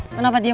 kenapa diem aja